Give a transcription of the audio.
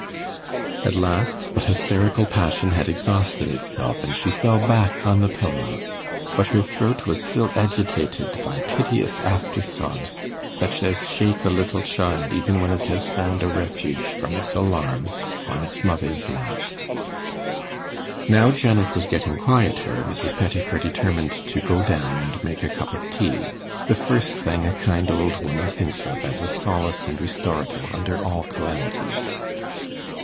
At last the hysterical passion had exhausted itself, and she fell back on the pillow; but her throat was still agitated by piteous after sobs, such as shake a little child even when it has found a refuge from its alarms on its mother's lap. Now Janet was getting quieter, Mrs. Pettifer determined to go down and make a cup of tea, the first thing a kind old woman thinks of as a solace and restorative under all calamities.